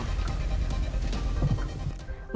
masih ingat kasus papa minta saham